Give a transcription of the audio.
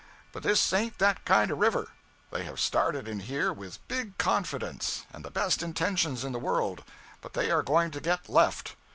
But this ain't that kind of a river. They have started in here with big confidence, and the best intentions in the world; but they are going to get left.